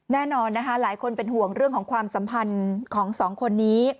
แน่นอนนะคะหลายคนเป็นห่วงเรื่องของความสัมพันธ์ของสองคนนี้